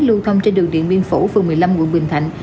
lưu thông trên đường điện biên phủ phường một mươi năm quận bình thạnh